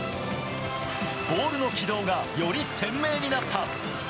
ボールの軌道がより鮮明になった。